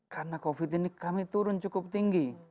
karena covid sembilan belas ini kami turun cukup tinggi